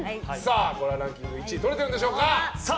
これはランキング１位とれてるんでしょうか。